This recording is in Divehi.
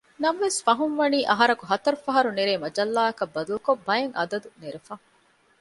ނަމަވެސް ފަހުންވަނީ އަހަރަކު ހަތަރު ފަހަރު ނެރޭ މަޖައްލާއަކަށް ބަދަލުކޮށް ބައެއް އަދަދު ނެރެފަ